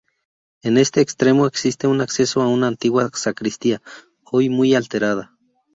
En este extremo existe un acceso a una antigua sacristía, hoy muy alterada.